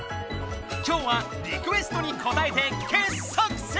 今日はリクエストにこたえて傑作選！